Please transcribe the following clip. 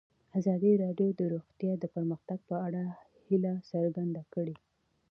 ازادي راډیو د روغتیا د پرمختګ په اړه هیله څرګنده کړې.